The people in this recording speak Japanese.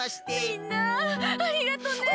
みんなありがとね。